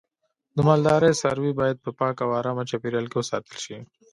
د مالدارۍ څاروی باید په پاکه او آرامه چاپیریال کې وساتل شي.